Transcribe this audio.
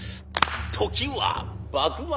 時は幕末！